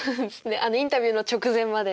あのインタビューの直前まで。